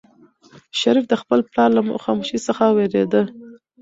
شریف د خپل پلار له خاموشۍ څخه وېرېده.